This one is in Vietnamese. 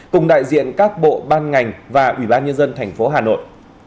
cùng đại diện các bộ ban ngành và ủy ban nhân dân thành phố hà nội